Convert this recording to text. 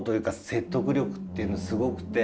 説得力っていうのすごくて。